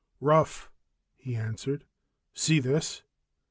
"Rough," he answered. "See this?"